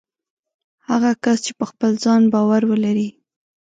هغه کس چې په خپل ځان باور ولري